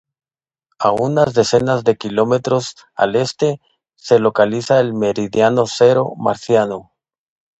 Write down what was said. A unas decenas de kilómetros al este se localiza el meridiano cero Marciano.